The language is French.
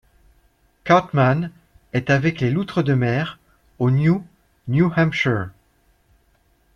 Cartman est avec les loutres de mer, au New New Hampshire.